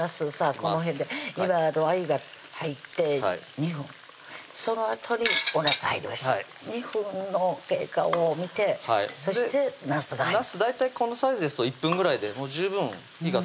この辺で今あゆが入って２分そのあとにおなす入りました２分の経過を見てそしてなすが入る大体このサイズですと１分ぐらいで十分火が通ります